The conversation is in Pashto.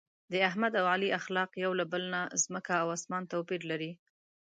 د احمد او علي اخلاق یو له بل نه ځمکه او اسمان توپیر لري.